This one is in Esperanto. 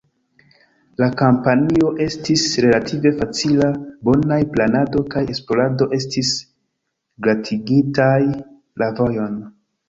La kampanjo estis relative facila; bonaj planado kaj esplorado estis glatigintaj la vojon.